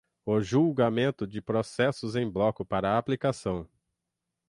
o julgamento de processos em bloco para aplicação